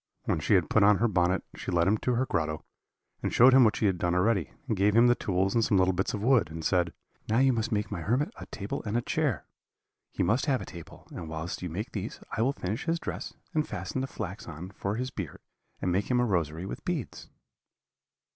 When she had put on her bonnet she led him to her grotto, and showed him what she had done already, and gave him the tools and some little bits of wood, and said, 'Now you must make my hermit a table and a chair he must have a table; and whilst you make these I will finish his dress, and fasten the flax on for his beard, and make him a rosary with beads.'